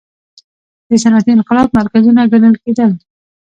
د صنعتي انقلاب مرکزونه ګڼل کېدل.